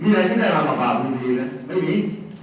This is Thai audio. มีอะไรที่ได้มาบ่าคือกันสีกัน